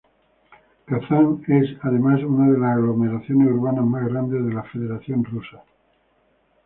Kazán es, además, una de las aglomeraciones urbanas más grandes de la Federación Rusa.